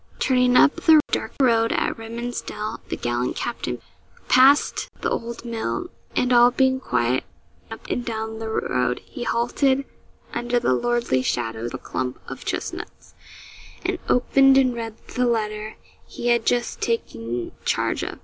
Turning up the dark road at Redman's Dell, the gallant captain passed the old mill, and, all being quiet up and down the road, he halted under the lordly shadow of a clump of chestnuts, and opened and read the letter he had just taken charge of.